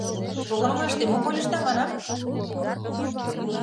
Погынымаште мом ойлышда, манам?